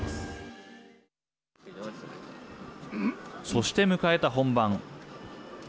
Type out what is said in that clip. そして迎えた本番。